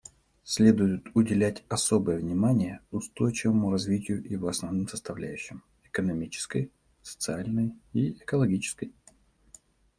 Следует уделять особое внимание устойчивому развитию и его основным составляющим — экономической, социальной и экологической.